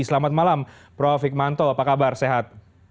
selamat malam prof hikmanto apa kabar sehat